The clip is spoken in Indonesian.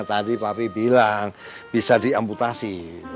tadi papi bilang bisa diamputasi